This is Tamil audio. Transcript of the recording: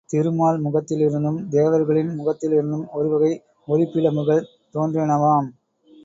திருமால் முகத்திலிருந்தும், தேவர்களின் முகத்திலிருந்தும் ஒருவகை ஒளிப்பிழம்புகள் தோன்றினவாம்.